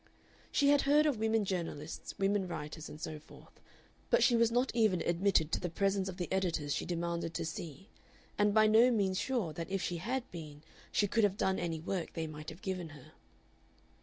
She had heard of women journalists, women writers, and so forth; but she was not even admitted to the presence of the editors she demanded to see, and by no means sure that if she had been she could have done any work they might have given her.